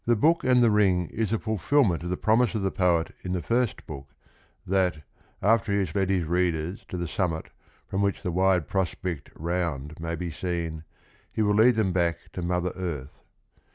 Book and the Ring is the fulfilmen t of the promise of the poet in the first book, that after he has led his readers to the summit from w hich the wi de prospect round may be seen, he will lead them back to mother earth.